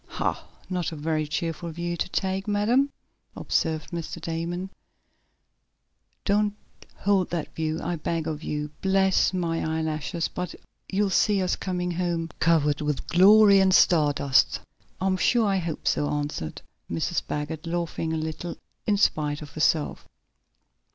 "Ha! Not a very cheerful view to take, madam," observed Mr. Damon. "Don't hold that view, I beg of you. Bless my eyelashes, but you'll see us coming home, covered with glory and star dust." "I'm sure I hope so," answered Mrs. Baggert, laughing a little in spite of herself.